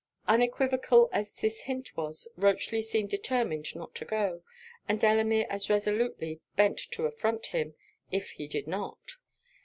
Unequivocal as this hint was, Rochely seemed determined not to go, and Delamere as resolutely bent to affront him, if he did not.